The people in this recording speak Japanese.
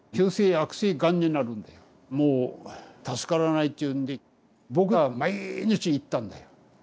もう助からないっていうんで僕は毎日行ったんだよ。